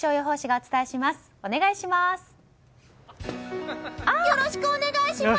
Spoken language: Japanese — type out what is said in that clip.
お願いします。